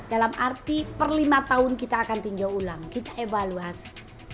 dalam arti per lima tahun kita akan tinjau ulang kita evaluasi